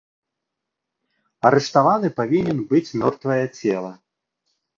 Арыштаваны павінен быць мёртвае цела.